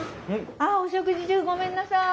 あっお食事中ごめんなさい。